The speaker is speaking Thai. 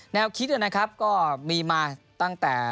แนวคิดนะครับก็มีมาตั้งแต่